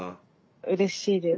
うれしいです。